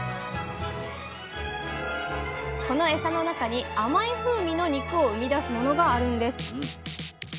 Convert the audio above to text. このエサの中に甘い風味の肉を生み出すものがあるんです。